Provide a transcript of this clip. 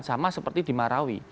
sama seperti di marawi